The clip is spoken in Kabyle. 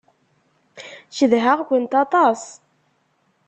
Cedhaɣ-kent aṭas.